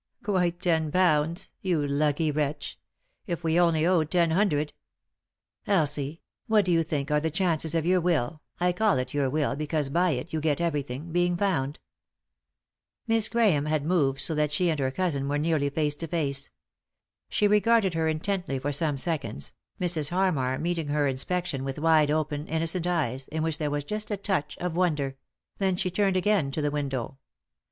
"Quite ten pounds I — you lucky wretch I If we only owed ten hundred 1 Elsie, what do you think are the chances of your will — I call it your will, because, by it, you get everything — being found ?" Miss Grahame had moved so that she and her cousin were nearly face to face. She regarded her intently for some seconds, Mrs. Harmar meeting her inspection with wide open, innocent eyes, in which there was just a touch of wonder ; then she turned again to the window.